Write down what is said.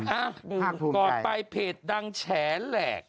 อ้าวหนึ่งก่อนไปเพจดังแฉแหลก